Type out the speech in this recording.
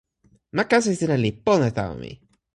ma kasi sina li pona tawa mi.